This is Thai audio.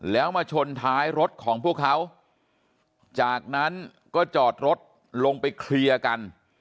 แล้วมาชนท้ายรถของพวกเขาจากนั้นก็จอดรถลงไปเคลียร์กัน